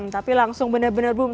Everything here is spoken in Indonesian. tapi langsung benar benar boom